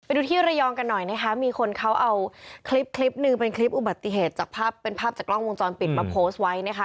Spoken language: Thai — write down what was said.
ดูที่ระยองกันหน่อยนะคะมีคนเขาเอาคลิปคลิปหนึ่งเป็นคลิปอุบัติเหตุจากภาพเป็นภาพจากกล้องวงจรปิดมาโพสต์ไว้นะคะ